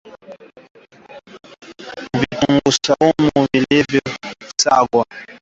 Vitunguu swaumu vilivyo sagwa Ukubwa wa katimbili